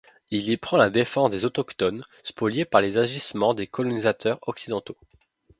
Il y prend la défense des autochtones, spoliés par les agissements des colonisateurs occidentaux.